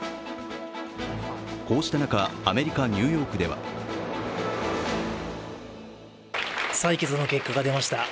こうした中、アメリカ・ニューヨークでは採決の結果が出ました。